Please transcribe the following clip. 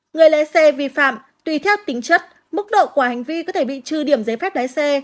người lái xe vi phạm tùy theo tính chất mức độ của hành vi có thể bị trừ điểm giấy phép lái xe